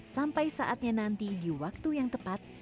sampai saatnya nanti di waktu yang tepat